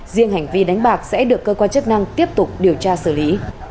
riêng hành vi đánh bạc sẽ được cơ quan chức năng tiếp tục điều tra xử lý